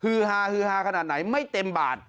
ฮาฮือฮาขนาดไหนไม่เต็มบาท